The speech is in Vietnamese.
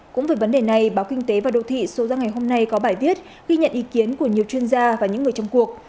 cũng về vấn đề này báo kinh tế và đô thị số ra ngày hôm nay có bài viết ghi nhận ý kiến của nhiều chuyên gia và những người trong cuộc